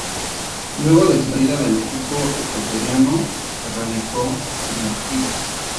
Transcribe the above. Luego de su salida del equipo ecuatoriano, se radicó en Artigas.